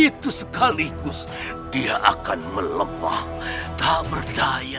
itu sekaligus dia akan melemah tak berdaya